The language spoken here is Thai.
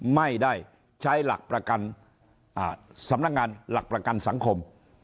ไม่ได้ใช้สำนักงานหลักประกันสังคม